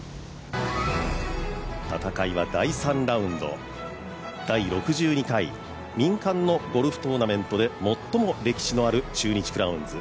戦いは第３ラウンド、第６２回民間のゴルフトーナメントで最も歴史のある中日クラウンズ。